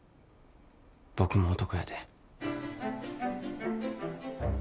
僕も男やで。